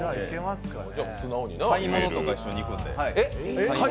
買い物とか一緒に行くんで。